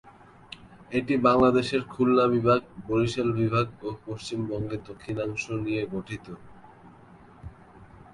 এটি বাংলাদেশের খুলনা বিভাগ, বরিশাল বিভাগ ও পশ্চিমবঙ্গের দক্ষিণাংশ নিয়ে গঠিত।